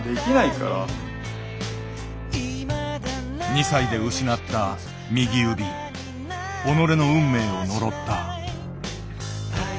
２歳で失った右指己の運命を呪った。